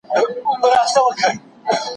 نه ده کارول شوې پکې